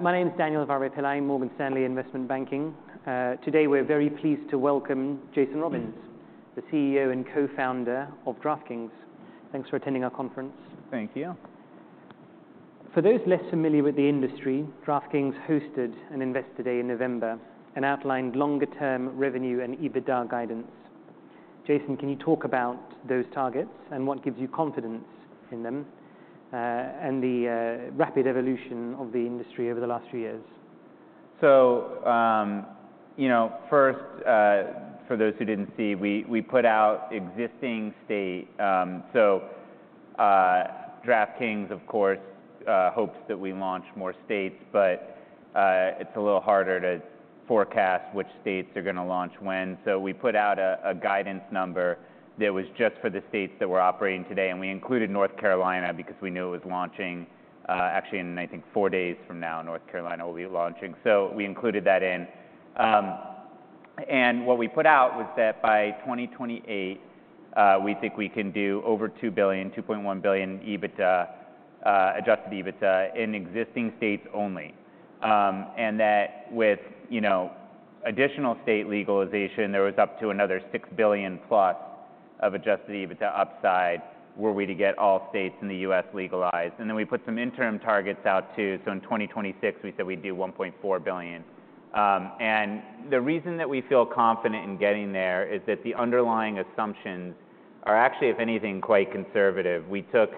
My name is Daniel Vyravipillai, Morgan Stanley Investment Banking. Today, we're very pleased to welcome Jason Robins, the CEO and co-founder of DraftKings. Thanks for attending our conference. Thank you. For those less familiar with the industry, DraftKings hosted an Investor Day in November, and outlined longer-term revenue and EBITDA guidance. Jason, can you talk about those targets and what gives you confidence in them, and the rapid evolution of the industry over the last few years? So, you know, first, for those who didn't see, we put out existing states. So, DraftKings, of course, hopes that we launch more states, but it's a little harder to forecast which states are gonna launch when. So we put out a guidance number that was just for the states that we're operating today, and we included North Carolina because we knew it was launching, actually in, I think, four days from now, North Carolina will be launching. So we included that in. And what we put out was that by 2028, we think we can do over $2 billion, $2.1 billion adjusted EBITDA in existing states only. And that with, you know, additional state legalization, there was up to another $6 billion+ of Adjusted EBITDA upside, were we to get all states in the U.S. legalized, and then we put some interim targets out too. So in 2026, we said we'd do $1.4 billion. And the reason that we feel confident in getting there is that the underlying assumptions are actually, if anything, quite conservative. We took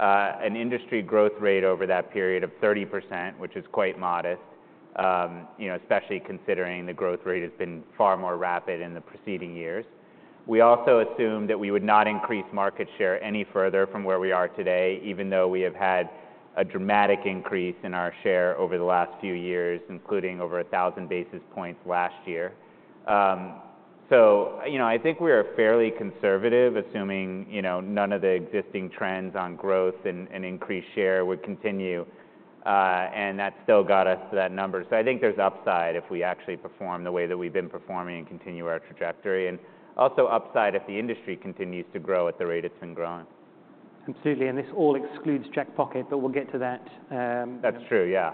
an industry growth rate over that period of 30%, which is quite modest, you know, especially considering the growth rate has been far more rapid in the preceding years. We also assumed that we would not increase market share any further from where we are today, even though we have had a dramatic increase in our share over the last few years, including over 1,000 basis points last year. So, you know, I think we are fairly conservative, assuming, you know, none of the existing trends on growth and increased share would continue, and that still got us to that number. So I think there's upside if we actually perform the way that we've been performing and continue our trajectory, and also upside if the industry continues to grow at the rate it's been growing. Absolutely, and this all excludes Jackpocket, but we'll get to that. That's true, yeah.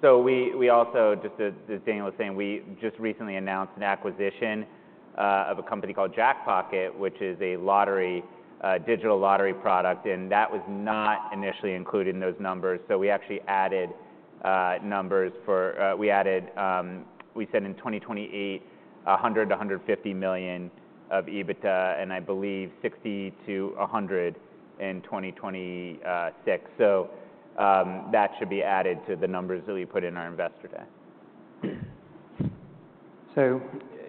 So we also, just as Daniel was saying, we just recently announced an acquisition of a company called Jackpocket, which is a lottery digital lottery product, and that was not initially included in those numbers. So we actually added numbers for, we added, we said in 2028, $100 million-$150 million of EBITDA, and I believe $60 million-$100 million in 2026. So, that should be added to the numbers that we put in our investor day. So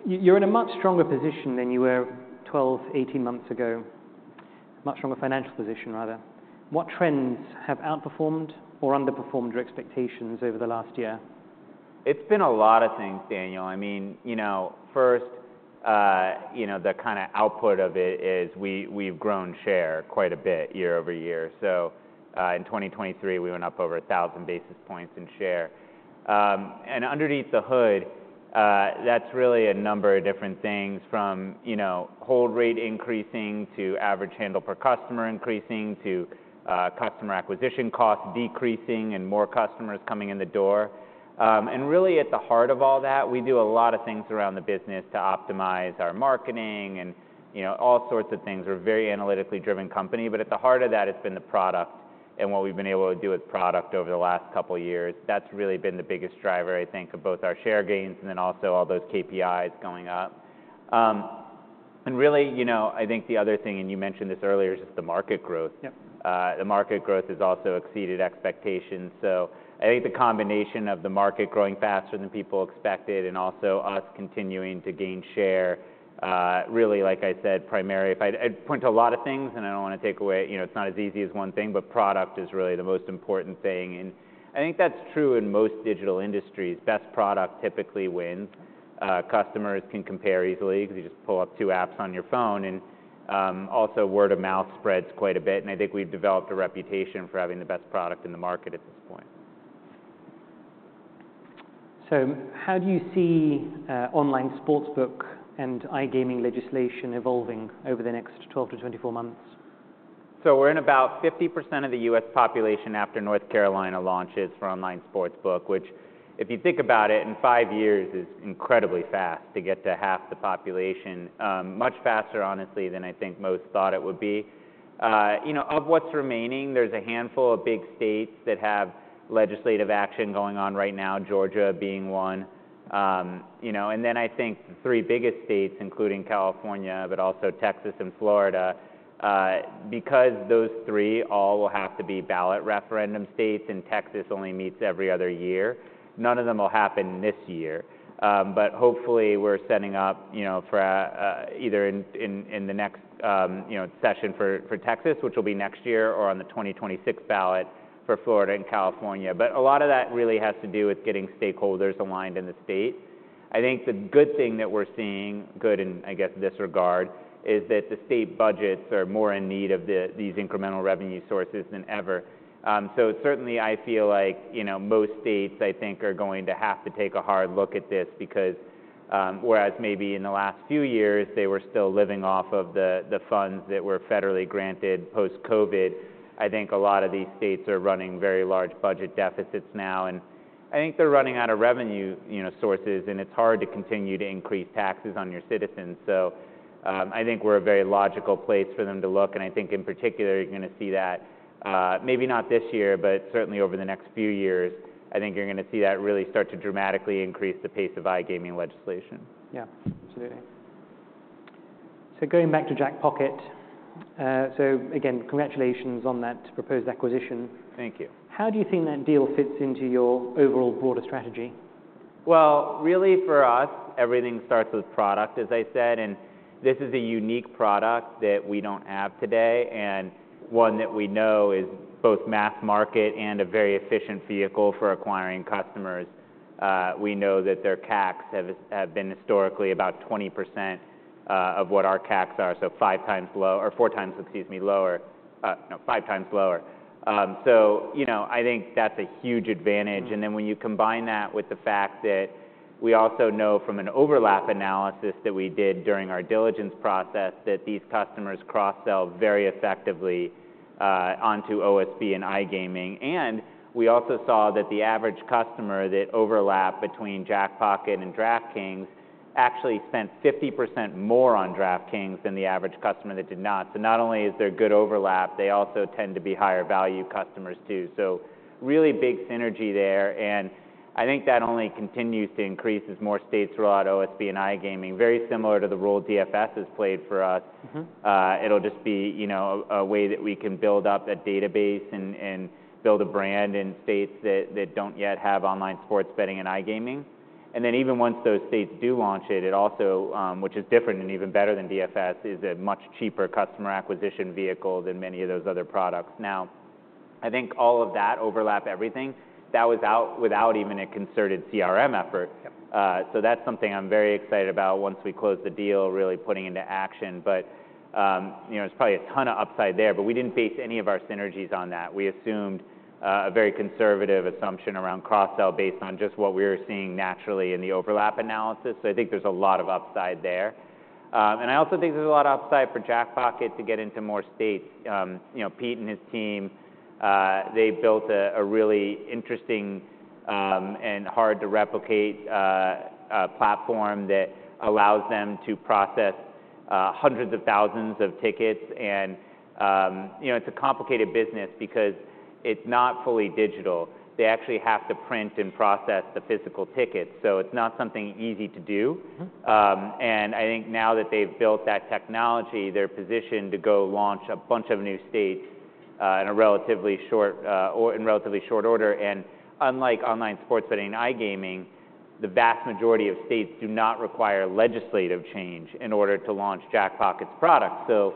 you're in a much stronger position than you were 12, 18 months ago. Much stronger financial position, rather. What trends have outperformed or underperformed your expectations over the last year? It's been a lot of things, Daniel. I mean, you know, first, you know, the kind of output of it is we, we've grown share quite a bit year over year. So, in 2023, we went up over 1,000 basis points in share. And underneath the hood, that's really a number of different things from, you know, hold rate increasing to average handle per customer increasing, to, customer acquisition costs decreasing and more customers coming in the door. And really, at the heart of all that, we do a lot of things around the business to optimize our marketing and, you know, all sorts of things. We're a very analytically driven company, but at the heart of that, it's been the product and what we've been able to do with product over the last couple of years. That's really been the biggest driver, I think, of both our share gains and then also all those KPIs going up. Really, you know, I think the other thing, and you mentioned this earlier, is just the market growth. Yep. The market growth has also exceeded expectations. So I think the combination of the market growing faster than people expected and also us continuing to gain share, really, like I said, primarily. I'd point to a lot of things, and I don't want to take away, you know, it's not as easy as one thing, but product is really the most important thing, and I think that's true in most digital industries. Best product typically wins. Customers can compare easily because you just pull up two apps on your phone, and, also, word of mouth spreads quite a bit, and I think we've developed a reputation for having the best product in the market at this point. So how do you see online sportsbook and iGaming legislation evolving over the next 12-24 months? So we're in about 50% of the U.S. population after North Carolina launches for online sportsbook, which, if you think about it, in five years, is incredibly fast to get to half the population. Much faster, honestly, than I think most thought it would be. You know, of what's remaining, there's a handful of big states that have legislative action going on right now, Georgia being one. You know, and then I think the three biggest states, including California, but also Texas and Florida, because those three all will have to be ballot referendum states, and Texas only meets every other year, none of them will happen this year. But hopefully, we're setting up, you know, for either in the next, you know, session for Texas, which will be next year, or on the 2026 ballot for Florida and California. But a lot of that really has to do with getting stakeholders aligned in the state. I think the good thing that we're seeing, good in, I guess, this regard, is that the state budgets are more in need of these incremental revenue sources than ever. So certainly I feel like, you know, most states, I think, are going to have to take a hard look at this because whereas maybe in the last few years, they were still living off of the funds that were federally granted post-COVID. I think a lot of these states are running very large budget deficits now, and I think they're running out of revenue, you know, sources, and it's hard to continue to increase taxes on your citizens. So, I think we're a very logical place for them to look, and I think in particular, you're gonna see that, maybe not this year, but certainly over the next few years, I think you're gonna see that really start to dramatically increase the pace of iGaming legislation. Yeah, absolutely. So going back to Jackpocket, so again, congratulations on that proposed acquisition. Thank you. How do you think that deal fits into your overall broader strategy? Well, really, for us, everything starts with product, as I said, and this is a unique product that we don't have today, and one that we know is both mass market and a very efficient vehicle for acquiring customers. We know that their CACs have been historically about 20%, of what our CACs are, so 5x low or 4x, excuse me, lower. No, 5x lower. So, you know, I think that's a huge advantage, and then when you combine that with the fact that we also know from an overlap analysis that we did during our diligence process, that these customers cross-sell very effectively, onto OSB and iGaming. And we also saw that the average customer, that overlap between Jackpocket and DraftKings, actually spent 50% more on DraftKings than the average customer that did not. So not only is there good overlap, they also tend to be higher value customers, too. So really big synergy there, and I think that only continues to increase as more states roll out OSB and iGaming, very similar to the role DFS has played for us. Mm-hmm. It'll just be, you know, a way that we can build up that database and build a brand in states that don't yet have online sports betting and iGaming. And then, even once those states do launch it, it also, which is different and even better than DFS, is a much cheaper customer acquisition vehicle than many of those other products. Now, I think all of that overlap everything. That without even a concerted CRM effort. Yeah. So that's something I'm very excited about once we close the deal, really putting into action. But, you know, there's probably a ton of upside there, but we didn't base any of our synergies on that. We assumed a very conservative assumption around cross-sell, based on just what we were seeing naturally in the overlap analysis. So I think there's a lot of upside there. And I also think there's a lot of upside for Jackpocket to get into more states. You know, Pete and his team, they've built a really interesting and hard to replicate platform that allows them to process hundreds of thousands of tickets. And, you know, it's a complicated business because it's not fully digital. They actually have to print and process the physical tickets, so it's not something easy to do. Mm-hmm. I think now that they've built that technology, they're positioned to go launch a bunch of new states in relatively short order. And unlike online sports betting and iGaming, the vast majority of states do not require legislative change in order to launch Jackpocket's product. So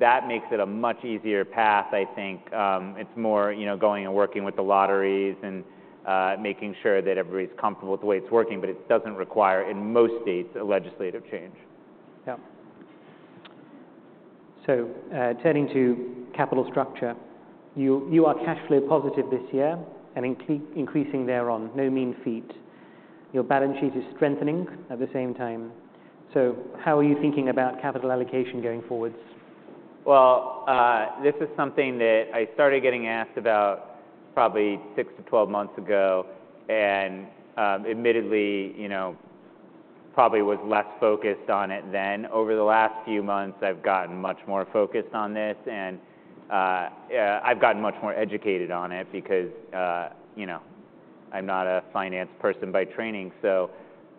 that makes it a much easier path. I think, it's more, you know, going and working with the lotteries and making sure that everybody's comfortable with the way it's working, but it doesn't require, in most states, a legislative change. Yeah. So, turning to capital structure, you are cash flow positive this year and increasing thereon. No mean feat. Your balance sheet is strengthening at the same time. So how are you thinking about capital allocation going forward? Well, this is something that I started getting asked about probably six to 12 months ago, and, admittedly, you know, probably was less focused on it then. Over the last few months, I've gotten much more focused on this and, I've gotten much more educated on it because, you know, I'm not a finance person by training. So,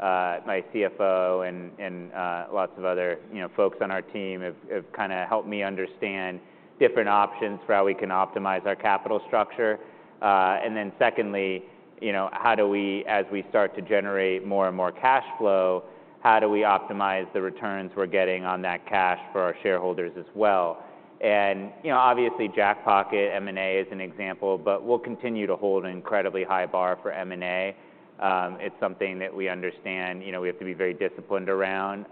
my CFO and lots of other, you know, folks on our team have kinda helped me understand different options for how we can optimize our capital structure. And then secondly, you know, how do we, as we start to generate more and more cash flow, how do we optimize the returns we're getting on that cash for our shareholders as well? You know, obviously, Jackpocket M&A is an example, but we'll continue to hold an incredibly high bar for M&A. It's something that we understand, you know, we have to be very disciplined around,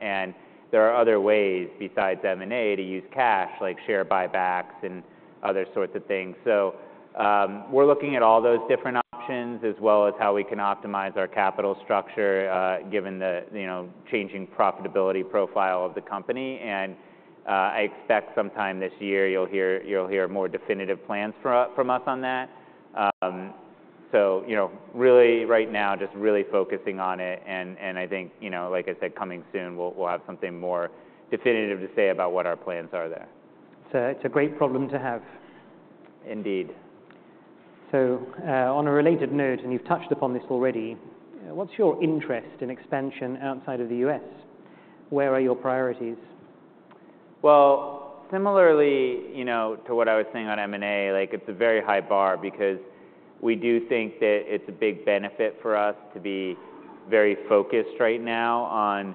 and there are other ways besides M&A to use cash, like share buybacks and other sorts of things. We're looking at all those different options, as well as how we can optimize our capital structure, given the, you know, changing profitability profile of the company. I expect sometime this year, you'll hear, you'll hear more definitive plans from us, from us on that. You know, really, right now, just really focusing on it, and I think, you know, like I said, coming soon, we'll, we'll have something more definitive to say about what our plans are there. It's a great problem to have. Indeed. On a related note, and you've touched upon this already, what's your interest in expansion outside of the U.S.? Where are your priorities? Well, similarly, you know, to what I was saying on M&A, like, it's a very high bar because we do think that it's a big benefit for us to be very focused right now on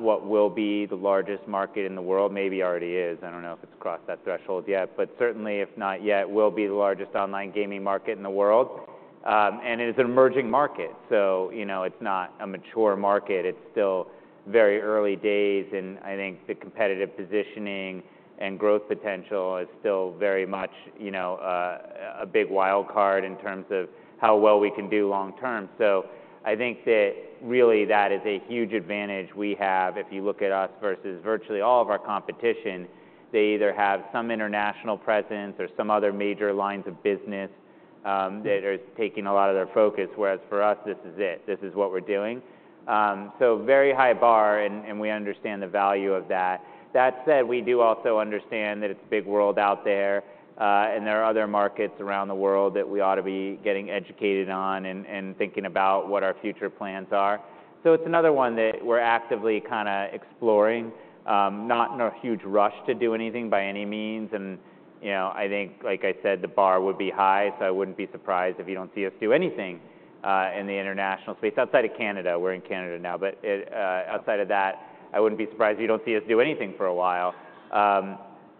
what will be the largest market in the world. Maybe already is. I don't know if it's crossed that threshold yet, but certainly, if not yet, will be the largest online gaming market in the world. And it is an emerging market, so, you know, it's not a mature market. It's still very early days, and I think the competitive positioning and growth potential is still very much, you know, a big wild card in terms of how well we can do long term. So I think that really that is a huge advantage we have. If you look at us versus virtually all of our competition, they either have some international presence or some other major lines of business that are taking a lot of their focus. Whereas for us, this is it. This is what we're doing. So very high bar, and we understand the value of that. That said, we do also understand that it's a big world out there, and there are other markets around the world that we ought to be getting educated on and thinking about what our future plans are. So it's another one that we're actively kinda exploring. Not in a huge rush to do anything by any means, and you know, I think, like I said, the bar would be high, so I wouldn't be surprised if you don't see us do anything in the international space outside of Canada. We're in Canada now, but outside of that, I wouldn't be surprised if you don't see us do anything for a while.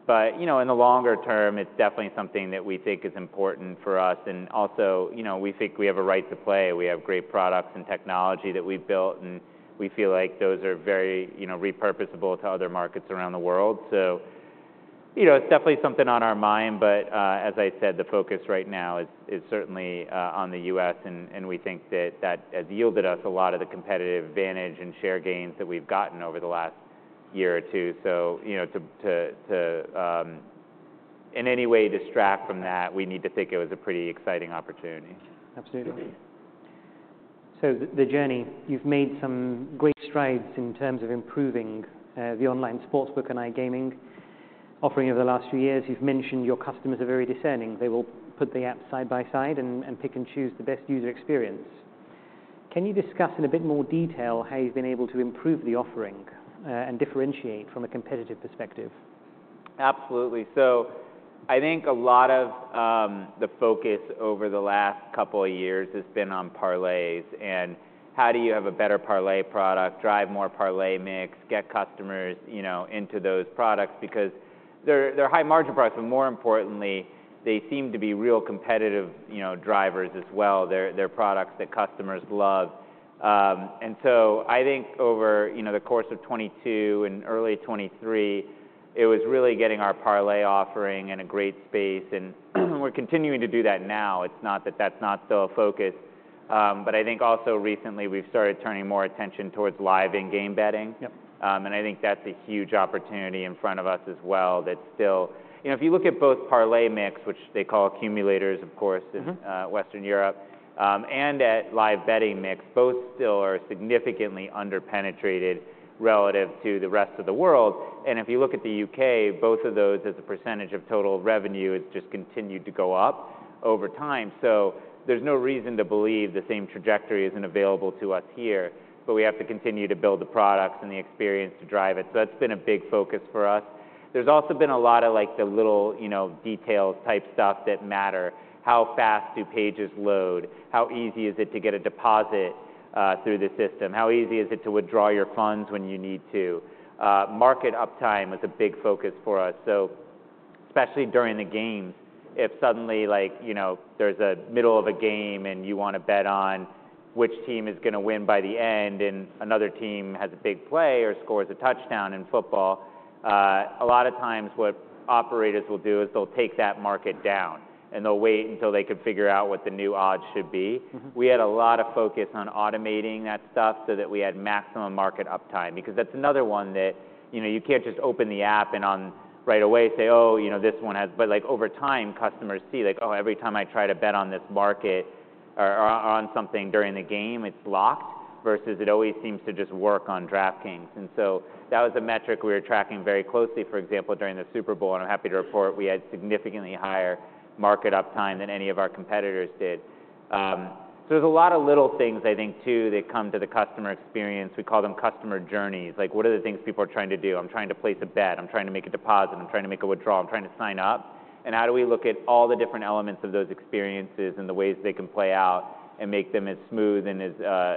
But, you know, in the longer term, it's definitely something that we think is important for us. And also, you know, we think we have a right to play. We have great products and technology that we've built, and we feel like those are very, you know, repurposable to other markets around the world. So, you know, it's definitely something on our mind, but, as I said, the focus right now is certainly on the U.S., and we think that that has yielded us a lot of the competitive advantage and share gains that we've gotten over the last year or two. So, you know, to in any way distract from that, we need to think it was a pretty exciting opportunity. Absolutely. So the journey, you've made some great strides in terms of improving the online sportsbook and iGaming offering over the last few years. You've mentioned your customers are very discerning. They will put the app side by side and pick and choose the best user experience. Can you discuss in a bit more detail how you've been able to improve the offering and differentiate from a competitive perspective? Absolutely. So I think a lot of the focus over the last couple of years has been on parlays and how do you have a better parlay product, drive more parlay mix, get customers, you know, into those products? Because they're, they're high-margin products, but more importantly, they seem to be real competitive, you know, drivers as well. They're, they're products that customers love. And so I think over, you know, the course of 2022 and early 2023, it was really getting our parlay offering in a great space, and we're continuing to do that now. It's not that that's not still a focus, but I think also recently, we've started turning more attention towards live in-game betting. Yep. I think that's a huge opportunity in front of us as well. That's still. You know, if you look at both parlay mix, which they call accumulators, of course. Mm-hmm. Western Europe, and at live betting mix, both still are significantly underpenetrated relative to the rest of the world. And if you look at the U.K., both of those, as a percentage of total revenue, has just continued to go up over time. So there's no reason to believe the same trajectory isn't available to us here, but we have to continue to build the products and the experience to drive it. So that's been a big focus for us. There's also been a lot of, like, the little, you know, detail-type stuff that matter. How fast do pages load? How easy is it to get a deposit, through the system? How easy is it to withdraw your funds when you need to? Market uptime is a big focus for us, so especially during the games. If suddenly, like, you know, there's a middle of a game and you wanna bet on which team is gonna win by the end, and another team has a big play or scores a touchdown in football, a lot of times what operators will do is they'll take that market down, and they'll wait until they can figure out what the new odds should be. We had a lot of focus on automating that stuff so that we had maximum market uptime because that's another one that, you know, you can't just open the app and on, right away say, "Oh, you know, this one has." But like, over time, customers see, like, "Oh, every time I try to bet on this market or, or on something during the game, it's locked, versus it always seems to just work on DraftKings." And so that was a metric we were tracking very closely, for example, during the Super Bowl, and I'm happy to report we had significantly higher market uptime than any of our competitors did. So there's a lot of little things I think too, that come to the customer experience. We call them customer journeys. Like, what are the things people are trying to do? I'm trying to place a bet. I'm trying to make a deposit. I'm trying to make a withdrawal. I'm trying to sign up. And how do we look at all the different elements of those experiences and the ways they can play out and make them as smooth and as,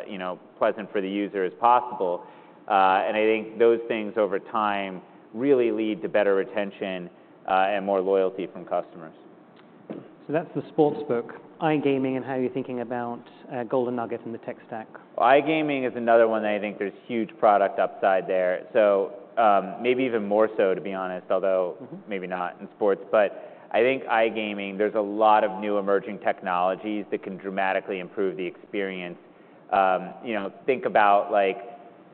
you know, pleasant for the user as possible? And I think those things, over time, really lead to better retention, and more loyalty from customers. So that's the sportsbook. iGaming and how you're thinking about, Golden Nugget and the tech stack. iGaming is another one that I think there's huge product upside there, so, maybe even more so, to be honest, although maybe not in sports. But I think iGaming, there's a lot of new emerging technologies that can dramatically improve the experience. You know, think about like,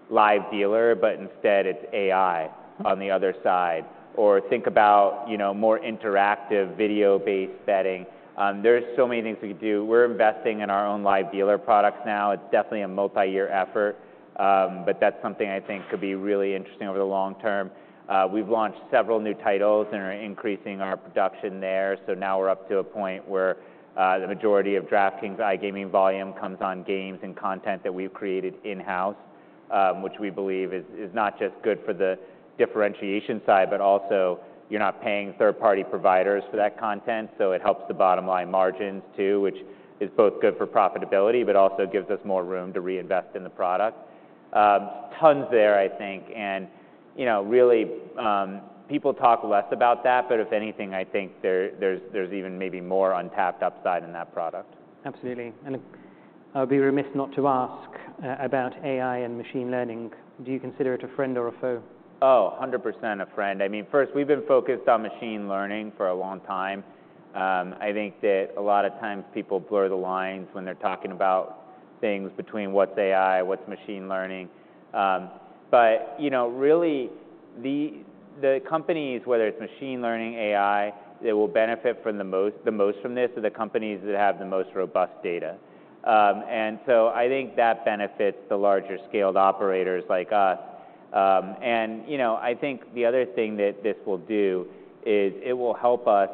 live dealer, but instead it's AI on the other side, or think about, you know, more interactive video-based betting. There are so many things we could do. We're investing in our own live dealer products now. It's definitely a multi-year effort, but that's something I think could be really interesting over the long term. We've launched several new titles and are increasing our production there, so now we're up to a point where the majority of DraftKings iGaming volume comes on games and content that we've created in-house. Which we believe is not just good for the differentiation side, but also you're not paying third-party providers for that content, so it helps the bottom line margins too, which is both good for profitability, but also gives us more room to reinvest in the product. Tons there, I think, and, you know, really, people talk less about that, but if anything, I think there's even maybe more untapped upside in that product. Absolutely, I would be remiss not to ask about AI and machine learning. Do you consider it a friend or a foe? Oh, 100% a friend. I mean, first, we've been focused on machine learning for a long time. I think that a lot of times people blur the lines when they're talking about things between what's AI, what's machine learning. But, you know, really, the companies, whether it's machine learning, AI, that will benefit the most from this, are the companies that have the most robust data. And so I think that benefits the larger-scaled operators like us. And, you know, I think the other thing that this will do is it will help us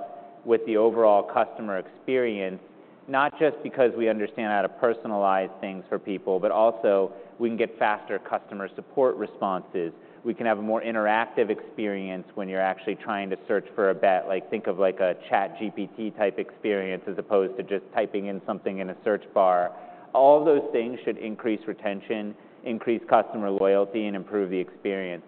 with the overall customer experience, not just because we understand how to personalize things for people, but also we can get faster customer support responses. We can have a more interactive experience when you're actually trying to search for a bet. Like, think of like a ChatGPT-type experience as opposed to just typing in something in a search bar. All those things should increase retention, increase customer loyalty, and improve the experience.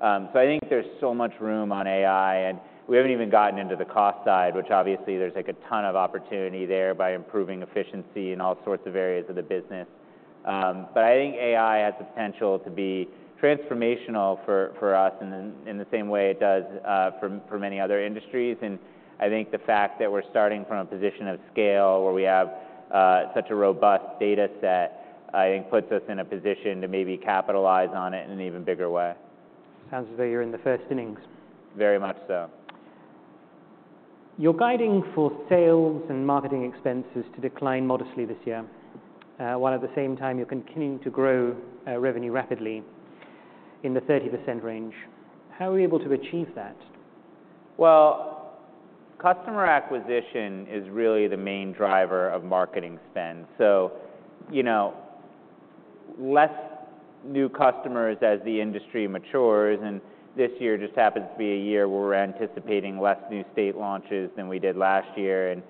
So I think there's so much room on AI, and we haven't even gotten into the cost side, which obviously there's, like, a ton of opportunity there by improving efficiency in all sorts of areas of the business. But I think AI has the potential to be transformational for, for us, in the, in the same way it does, for, for many other industries. And I think the fact that we're starting from a position of scale, where we have, such a robust data set, I think puts us in a position to maybe capitalize on it in an even bigger way. Sounds as though you're in the first innings. Very much so. You're guiding for sales and marketing expenses to decline modestly this year, while at the same time, you're continuing to grow revenue rapidly in the 30% range. How are you able to achieve that? Well, customer acquisition is really the main driver of marketing spend. So, you know, less new customers as the industry matures, and this year just happens to be a year where we're anticipating less new state launches than we did last year. And,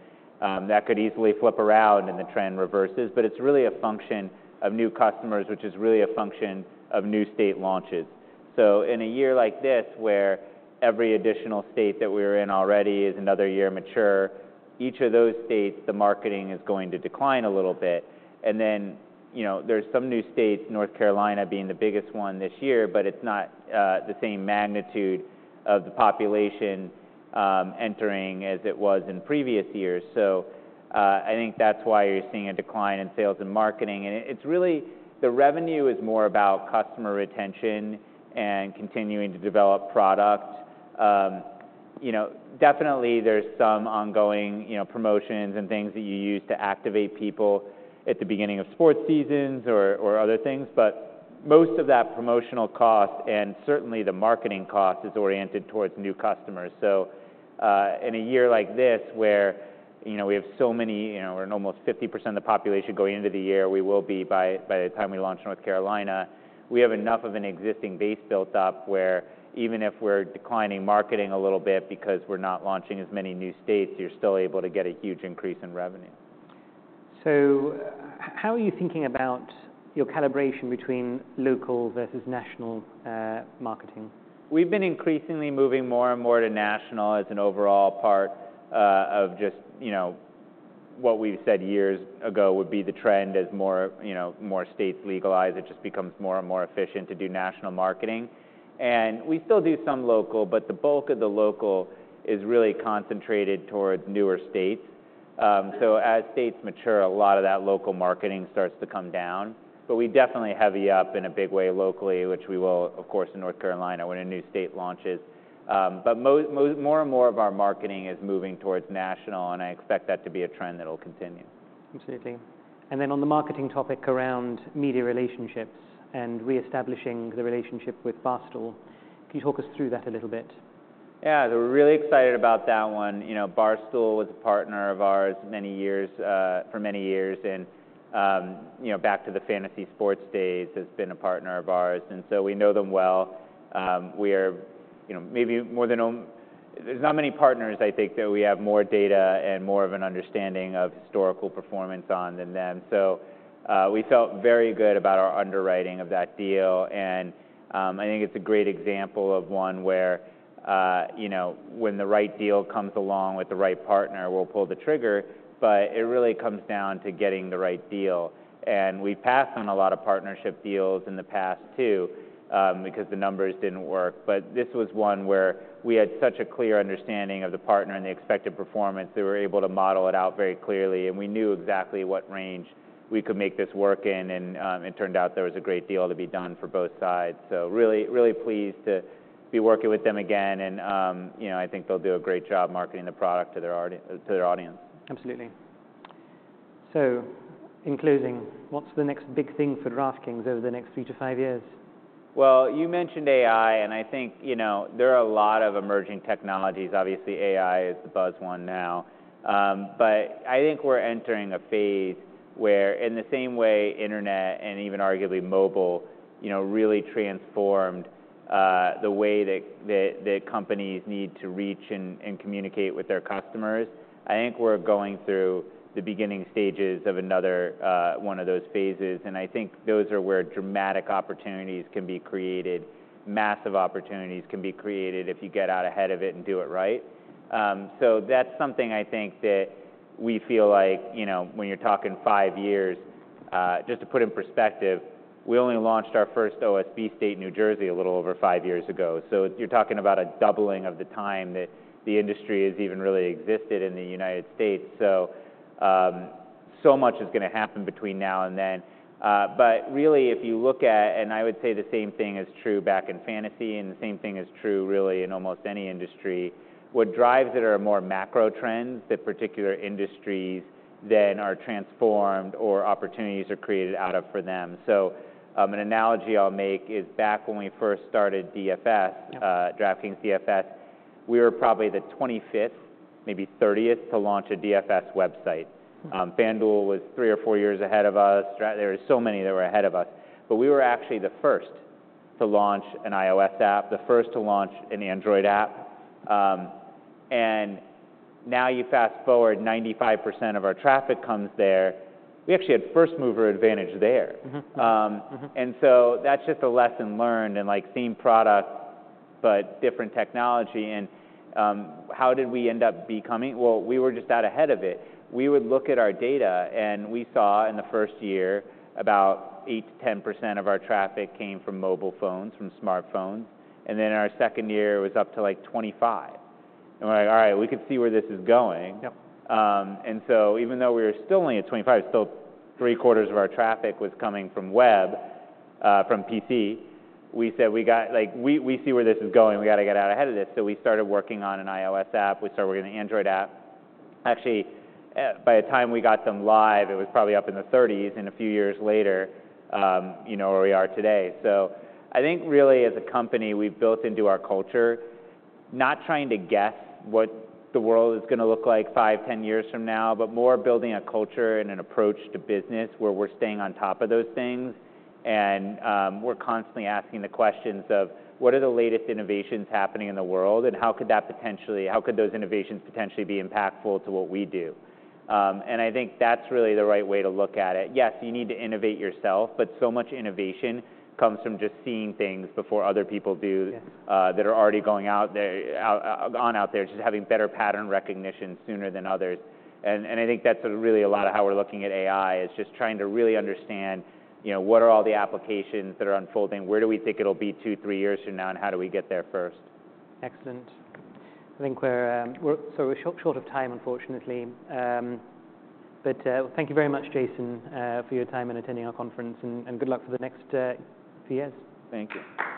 that could easily flip around, and the trend reverses. But it's really a function of new customers, which is really a function of new state launches. So in a year like this, where every additional state that we're in already is another year mature, each of those states, the marketing is going to decline a little bit. And then, you know, there's some new states, North Carolina being the biggest one this year, but it's not, the same magnitude of the population, entering as it was in previous years. So, I think that's why you're seeing a decline in sales and marketing. It's really the revenue is more about customer retention and continuing to develop product. You know, definitely there's some ongoing, you know, promotions and things that you use to activate people at the beginning of sports seasons or other things, but most of that promotional cost, and certainly the marketing cost, is oriented towards new customers. So, in a year like this, where, you know, we have so many, you know, we're in almost 50% of the population going into the year, we will be by the time we launch North Carolina, we have enough of an existing base built up where even if we're declining marketing a little bit because we're not launching as many new states, you're still able to get a huge increase in revenue. How are you thinking about your calibration between local versus national marketing? We've been increasingly moving more and more to national as an overall part of just, you know, what we've said years ago would be the trend as more, you know, more states legalize, it just becomes more and more efficient to do national marketing. We still do some local, but the bulk of the local is really concentrated towards newer states. So as states mature, a lot of that local marketing starts to come down. But we definitely heavy up in a big way locally, which we will, of course, in North Carolina, when a new state launches. But more and more of our marketing is moving towards national, and I expect that to be a trend that will continue. Absolutely. And then on the marketing topic around media relationships and reestablishing the relationship with Barstool, can you talk us through that a little bit? Yeah, we're really excited about that one. You know, Barstool was a partner of ours many years, for many years, and, you know, back to the fantasy sports days, has been a partner of ours, and so we know them well. We are, you know, maybe more than there's not many partners, I think, that we have more data and more of an understanding of historical performance on than them. So, we felt very good about our underwriting of that deal, and, I think it's a great example of one where, you know, when the right deal comes along with the right partner, we'll pull the trigger, but it really comes down to getting the right deal. And we passed on a lot of partnership deals in the past too, because the numbers didn't work. But this was one where we had such a clear understanding of the partner and the expected performance, that we were able to model it out very clearly, and we knew exactly what range we could make this work in. And, it turned out there was a great deal to be done for both sides. So really, really pleased to be working with them again, and, you know, I think they'll do a great job marketing the product to their audience. Absolutely. In closing, what's the next big thing for DraftKings over the next three to five years? Well, you mentioned AI, and I think, you know, there are a lot of emerging technologies. Obviously, AI is the buzz one now. But I think we're entering a phase where in the same way, internet and even arguably mobile, you know, really transformed the way that companies need to reach and communicate with their customers. I think we're going through the beginning stages of another one of those phases, and I think those are where dramatic opportunities can be created. Massive opportunities can be created if you get out ahead of it and do it right. So that's something I think that we feel like, you know, when you're talking five years, just to put in perspective, we only launched our first OSB state in New Jersey a little over five years ago. So you're talking about a doubling of the time that the industry has even really existed in the United States. So, so much is gonna happen between now and then. But really, if you look at and I would say the same thing is true back in fantasy, and the same thing is true really in almost any industry, what drives it are more macro trends, that particular industries then are transformed or opportunities are created out of for them. So, an analogy I'll make is back when we first started DFS, DraftKings DFS, we were probably the 25th, maybe 30th, to launch a DFS website. FanDuel was three or four years ahead of us. There were so many that were ahead of us, but we were actually the first to launch an iOS app, the first to launch an Android app. Now you fast forward, 95% of our traffic comes there. We actually had first mover advantage there. Mm-hmm. Mm-hmm. And so that's just a lesson learned, and like same product, but different technology. And, how did we end up becoming? Well, we were just out ahead of it. We would look at our data, and we saw in the first year, about 8%-10% of our traffic came from mobile phones, from smartphones, and then our second year, it was up to, like, 25%. And we're like, "All right, we can see where this is going. Yep. And so even though we were still only at 25, so three quarters of our traffic was coming from web, from PC, we said we got, like, we, we see where this is going. We got to get out ahead of this. So we started working on an iOS app. We started working on an Android app. Actually, by the time we got them live, it was probably up in the 30s, and a few years later, you know where we are today. So I think really as a company, we've built into our culture, not trying to guess what the world is gonna look like five, 10 years from now, but more building a culture and an approach to business where we're staying on top of those things. And, we're constantly asking the questions of, what are the latest innovations happening in the world? How could that potentially, how could those innovations potentially be impactful to what we do? I think that's really the right way to look at it. Yes, you need to innovate yourself, but so much innovation comes from just seeing things before other people do. Yeah. That are already going out there, just having better pattern recognition sooner than others. I think that's really a lot of how we're looking at AI, is just trying to really understand, you know, what are all the applications that are unfolding? Where do we think it'll be two, three years from now, and how do we get there first? Excellent. I think we're so short of time, unfortunately. But thank you very much, Jason, for your time and attending our conference, and good luck for the next few years. Thank you.